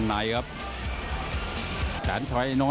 สรุปจัดลง